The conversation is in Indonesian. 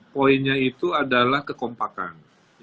poinnya itu adalah kekompakan